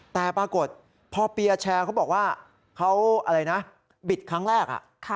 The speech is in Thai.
แต่ปรากฏพอเปียร์แชร์เขาบอกว่าเขาอะไรนะบิดครั้งแรก